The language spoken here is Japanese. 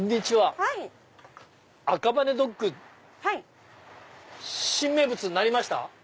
赤羽ドッグ新名物になりました？